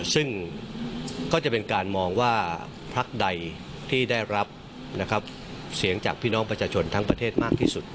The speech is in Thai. ซึ่งก็จะเป็นการมองว่าพักใดที่ได้รับเสียงจากพี่น้องประชาชนทั้งประเทศมากที่สุด